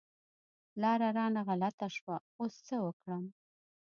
لاره رانه غلطه شوه، اوس څه وکړم؟